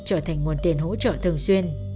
trở thành nguồn tiền hỗ trợ thường xuyên